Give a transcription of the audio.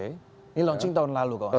ini launching tahun lalu kan